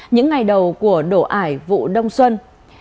những ngày đầu của đổ ải vụ đông xuân